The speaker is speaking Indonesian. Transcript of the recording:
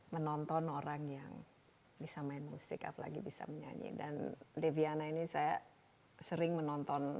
menonton orang yang bisa main musik apalagi bisa menyanyi dan deviana ini saya sering menonton